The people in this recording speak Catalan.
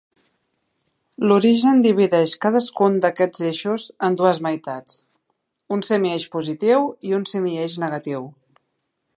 L'origen divideix cadascun d'aquests eixos en dues meitats: un semieix positiu i un semieix negatiu.